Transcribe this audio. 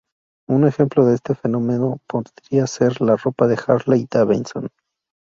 Un ejemplo de este fenómeno podría ser la ropa Harley-Davidson.